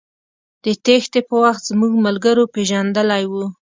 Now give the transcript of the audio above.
د تېښتې په وخت زموږ ملګرو پېژندلى و.